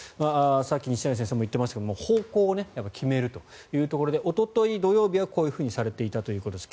さっき西成先生も言っていましたが方向を決めるというところでおととい土曜日はこういうふうにされていたということです。